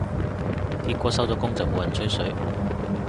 結果收咗工就冇人吹水